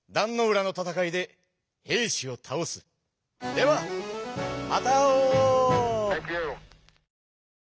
ではまた会おう！